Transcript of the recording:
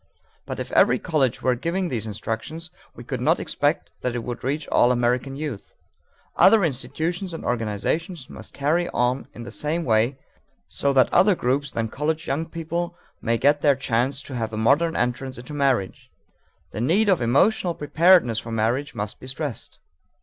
But if every college were giving this instruction, we could not expect that it would reach all American youth. Other institutions and organizations must carry on in the same way, so that other groups than college young people may get their chance to have a modern entrance into marriage. The need of emotional preparedness for marriage must be stressed.